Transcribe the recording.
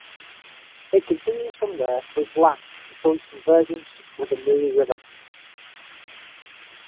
It continues from there for its last until its convergence with the Mooi River.